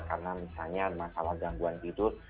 karena misalnya masalah gangguan tidur